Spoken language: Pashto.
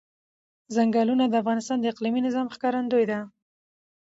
ځنګلونه د افغانستان د اقلیمي نظام ښکارندوی ده.